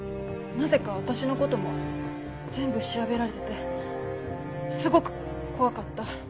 なぜか私の事も全部調べられててすごく怖かった。